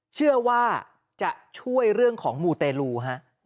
เชื่อว่าจะช่วยเรื่องของมูเตลูฮะ